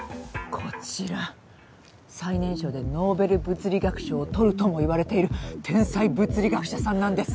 こちら最年少でノーベル物理学賞を取るともいわれている天才物理学者さんなんです。